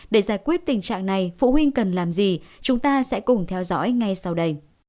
để giải quyết tình trạng này phụ huynh cần làm gì chúng ta sẽ cùng theo dõi ngay sau đây